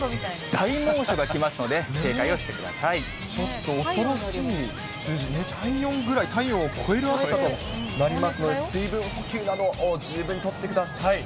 大猛暑がきますので、警戒をちょっと恐ろしい数字、体温ぐらい、体温を超える暑さとなりますので、水分補給など、十分にとってください。